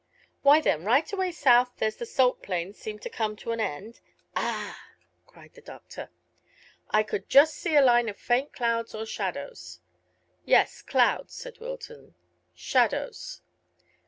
"Why then, right away south where the salt plains seemed to come to an end " "Ah!" cried the doctor. "I could see just a line of faint clouds or shadows." "Yes, clouds," said Wilton "shadows."